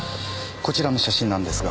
こちらの写真なんですが。